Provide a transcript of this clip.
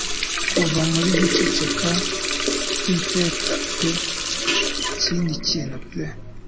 Kuva muri guceceka kw'iteka pe ikindi kintu pe